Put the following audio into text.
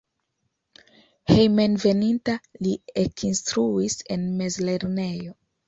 Hejmenveninta li ekinstruis en mezlernejo.